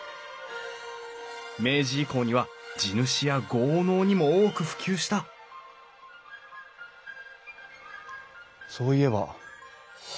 明治以降には地主や豪農にも多く普及したそういえば。